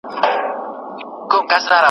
دا مواد رګونه نرموي.